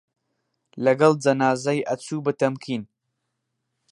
لەگەڵ جەنازەی ئەچوو بە تەمکین